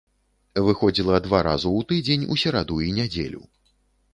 Выходзіла два разу ў тыдзень у сераду і нядзелю.